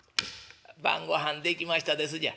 「晩ごはんできましたですじゃ」。